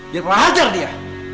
biar mama ajar dia